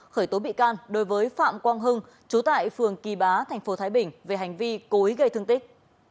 khởi tố bị can đối với phạm quang hưng chú tại phường kỳ bá thành phố thái bình về hành vi cố ý gây thương tích